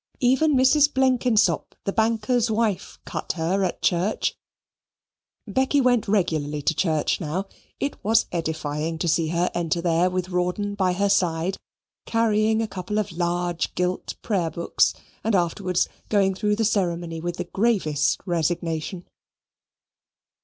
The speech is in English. Even Mrs. Blenkinsop, the banker's wife, cut her at church. Becky went regularly to church now; it was edifying to see her enter there with Rawdon by her side, carrying a couple of large gilt prayer books, and afterwards going through the ceremony with the gravest resignation.